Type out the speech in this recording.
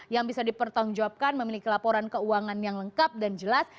yang bisa dipertanggungjawabkan memiliki laporan keuangan yang lengkap dan jelas